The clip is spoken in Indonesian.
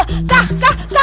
kak kak kak kak